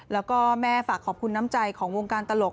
แล้วก็แม่ฝากขอบคุณน้ำใจของวงการตลก